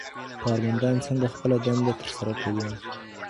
کارمندان څنګه خپله دنده ترسره کوي؟